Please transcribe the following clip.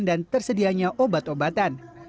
dan tersedianya obat obatan